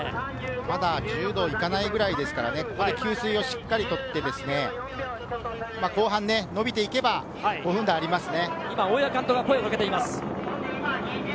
まだ１０度いかないぐらいですから給水をしっかりとって後半、伸びていけば５分台がありますね。